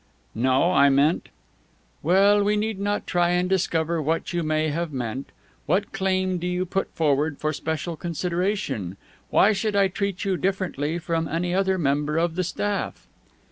"No, I meant " "Well, we need not try and discover what you may have meant. What claim do you put forward for special consideration? Why should I treat you differently from any other member of the staff?"